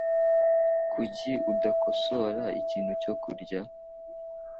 Kuki udakosora ikintu cyo kurya?